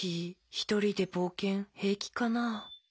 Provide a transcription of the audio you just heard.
ひとりでぼうけんへいきかな。